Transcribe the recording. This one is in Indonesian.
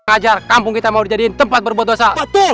ngajar kampung kita mau jadiin tempat berbuat dosa